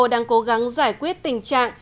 đang cố gắng giải quyết tình trạng